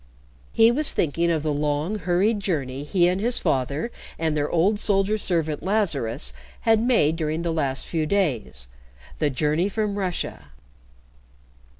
He was thinking of the long, hurried journey he and his father and their old soldier servant, Lazarus, had made during the last few days the journey from Russia.